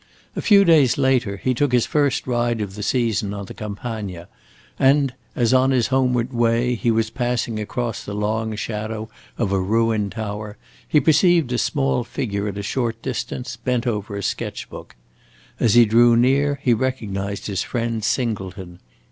A few days later he took his first ride of the season on the Campagna, and as, on his homeward way, he was passing across the long shadow of a ruined tower, he perceived a small figure at a short distance, bent over a sketch book. As he drew near, he recognized his friend Singleton.